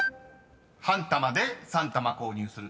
［半玉で３玉購入すると？］